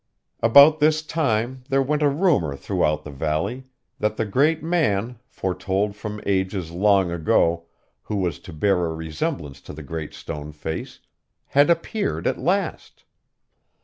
About this time there went a rumor throughout the valley, that the great man, foretold from ages long ago, who was to bear a resemblance to the Great Stone Face, had appeared at last.